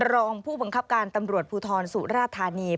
รองผู้บังคับการตำรวจภูทรสุราธานี